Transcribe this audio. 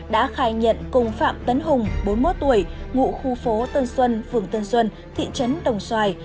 đã khai nhận cùng phạm tấn hùng bốn mươi một tuổi ngụ khu phố tân xuân phường tân xuân thị trấn đồng xoài